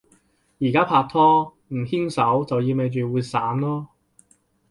而家拍拖，唔牽手就意味住會散囉